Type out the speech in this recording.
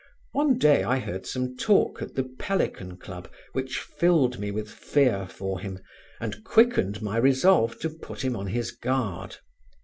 One day I heard some talk at the Pelican Club which filled me with fear for him and quickened my resolve to put him on his guard.